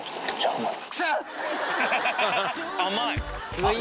甘い。